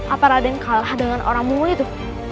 apa raden kalah dengan orang mungo itu